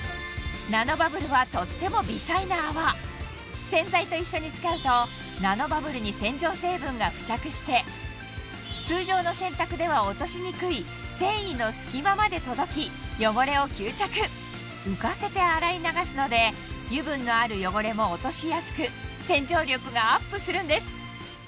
ナノバブルはとっても微細な泡洗剤と一緒に使うとナノバブルに洗浄成分が付着して通常の洗濯では落としにくい繊維の隙間まで届き汚れを吸着浮かせて洗い流すので油分のある汚れも落としやすく洗浄力がアップするんです